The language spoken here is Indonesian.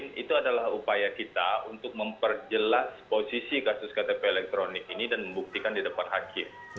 itu adalah upaya kita untuk memperjelas posisi kasus ktp elektronik ini dan membuktikan di depan hakim